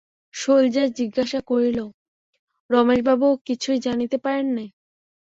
শৈলজা জিজ্ঞাসা করিল, রমেশবাবুও কিছুই জানিতে পারেন নাই?